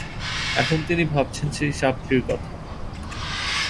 এখন তিনি ভাবছেন সেই সাপটির কথা।